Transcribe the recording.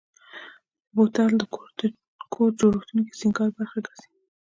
بوتل د کور جوړښتونو کې د سینګار برخه ګرځي.